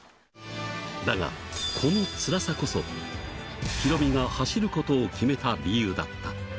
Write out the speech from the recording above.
だが、このつらさこそ、ヒロミが走ることを決めた理由だった。